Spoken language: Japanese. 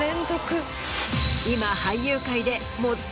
今。